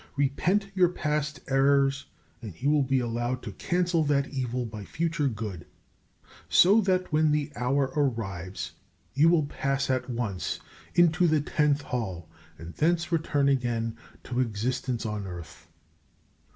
Repent your past errors, and you will be allowed to cancel that evil by future good, so that when the hour arrives you will pass at once into the Tenth Hall, and thence return again to existence on earth.